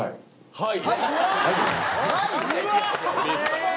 はい。